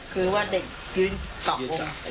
คือว่าเด็กยืนกรอกกรง